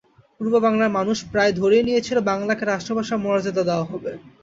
পূর্ব বাংলার মানুষ প্রায় ধরেই নিয়েছিল বাংলাকে রাষ্ট্রভাষার মর্যাদা দেওয়া হবে।